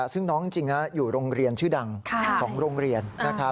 ซึ่งน้องจริงอยู่โรงเรียนชื่อดัง๒โรงเรียน